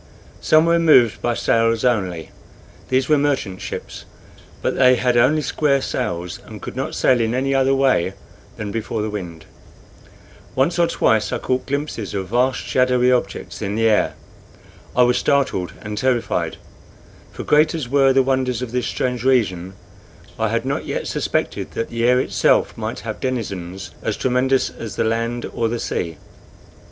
Some were moved by sails only; these were merchant ships, but they had only square sails, and could not sail in any other way than before the wind. Once or twice I caught glimpses of vast shadowy objects in the air. I was startled and terrified; for, great as were the wonders of this strange region, I had not yet suspected that the air itself might have denizens as tremendous as the land or the sea.